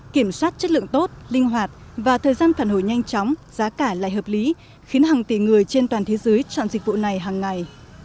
kiểm soát chất lượng tốt linh hoạt và thời gian phản hồi nhanh chóng giá cả lại hợp lý khiến hàng tỷ người trên toàn thế giới chọn dịch vụ này hàng ngày